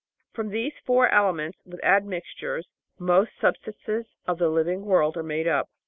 From these four elements, with admixtures, most substances of the living world are made up.